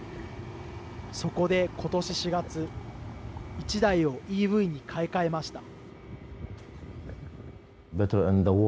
そこで、ことし４月１台をＥＶに買い替えました。